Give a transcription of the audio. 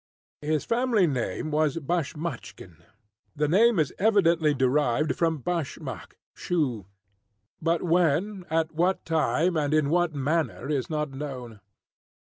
His family name was Bashmachkin. This name is evidently derived from bashmak (shoe); but, when, at what time, and in what manner, is not known.